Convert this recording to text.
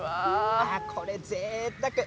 これは、ぜいたく。